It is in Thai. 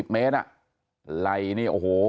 เมตรไหล่นี่โอ้โห